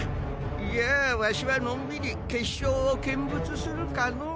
じゃあわしはのんびり決勝を見物するかの。